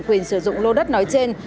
quyền sử dụng lô đất nói trên